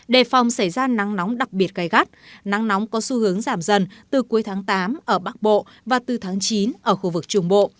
đề phòng xảy ra nắng nóng đặc biệt gai gắt nắng nóng có xu hướng giảm dần từ cuối tháng tám ở bắc bộ và từ tháng chín ở khu vực trung bộ